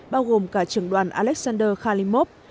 bao gồm cả trưởng đoàn alexander kalimov